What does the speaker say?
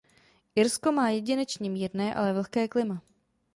Irsko má jedinečně mírné, ale vlhké klima.